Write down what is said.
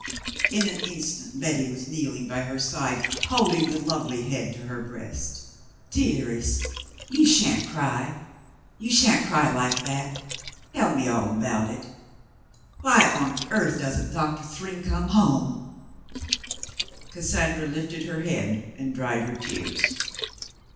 In an instant Betty was kneeling by her side, holding the lovely head to her breast. "Dearest ! You shan't cry. You shan't cry like that. Tell me all about it. Why on earth doesn't Doctor Thryng come home ^" Cassandra lifted her head and dried her tears.